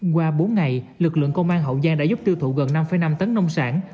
qua bốn ngày lực lượng công an hậu giang đã giúp tiêu thụ gần năm năm tấn nông sản